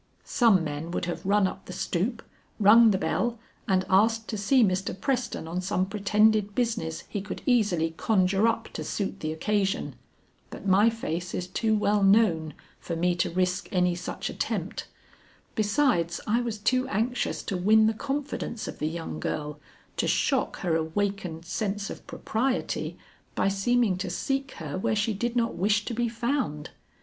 Some men would have run up the stoop, rung the bell and asked to see Mr. Preston on some pretended business he could easily conjure up to suit the occasion, but my face is too well known for me to risk any such attempt, besides I was too anxious to win the confidence of the young girl to shock her awakened sense of propriety by seeming to seek her where she did not wish to be found.